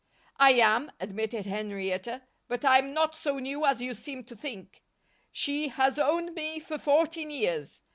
"I am," admitted Henrietta, "but I'm not so new as you seem to think. She has owned me for fourteen years.